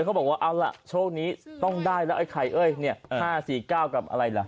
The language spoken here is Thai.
เขาบอกว่าเอาล่ะโชคนี้ต้องได้แล้วไอ้ใครเอ้ยเนี่ยห้าสี่เก้ากับอะไรล่ะ